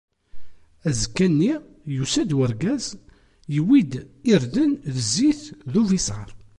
Azekka-nni, yusa-d urgaz, yewwi-d irden d zzit d ubisar.